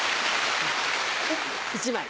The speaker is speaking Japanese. １枚。